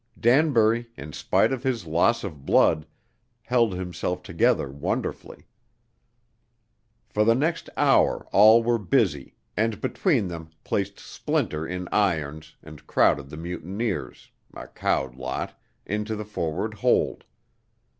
Danbury, in spite of his loss of blood, held himself together wonderfully. For the next hour all were busy, and between them placed Splinter in irons, and crowded the mutineers, a cowed lot, into the forward hold.